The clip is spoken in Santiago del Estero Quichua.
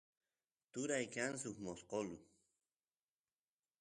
turay kan suk mosqolu